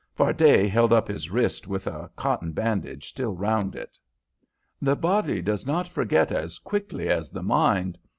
Fardet held up his wrist with a cotton bandage still round it. "The body does not forget as quickly as the mind.